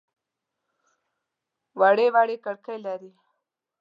وړې وړې کړکۍ لري.